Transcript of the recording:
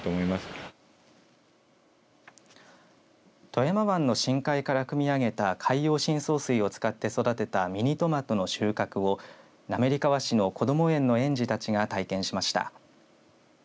富山湾の深海からくみ上げた海洋深層水を使って育てたミニトマトの収穫を滑川市のこども園の園児たちが体験しました。